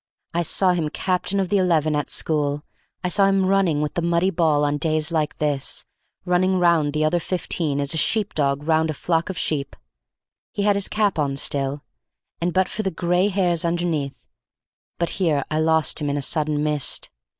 I saw him captain of the eleven at school. I saw him running with the muddy ball on days like this, running round the other fifteen as a sheep dog round a flock of sheep. He had his cap on still, and but for the gray hairs underneath—but here I lost him in a sudden mist.